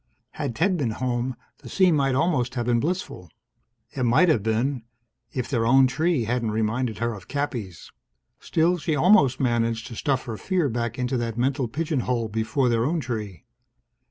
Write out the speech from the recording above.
Had Ted been home, the scene might almost have been blissful. It might have been ... if their own tree hadn't reminded her of Cappy's. Still, she'd almost managed to stuff her fear back into that mental pigeon hole before their own tree.